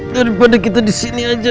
daripada kita disini aja